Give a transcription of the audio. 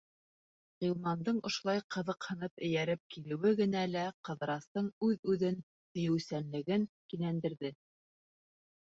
Ғилмандың ошолай ҡыҙыҡһынып эйәреп килеүе генә лә Ҡыҙырастың үҙ-үҙен һөйөүсәнлеген кинәндерҙе.